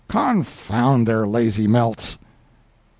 Confound their lazy melts!